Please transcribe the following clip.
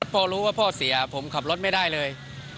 พ่อรู้ว่าพ่อเสียผมขับรถไม่ได้เลย